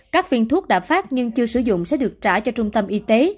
các viên thuốc đã phát nhưng chưa sử dụng sẽ được trả cho trung tâm y tế